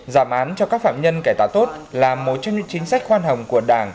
giảm án cho các phạm nhân cải tạo tốt là một trong những chính sách khoan hồng của đảng